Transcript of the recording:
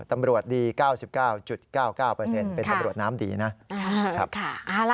ตำรวจดี๙๙๙๙เป็นตำรวจน้ำดีนะครับครับค่ะครับ